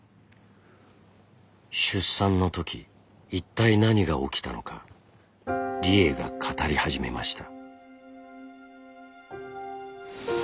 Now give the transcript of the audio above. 出産のとき一体何が起きたのか理栄が語り始めました。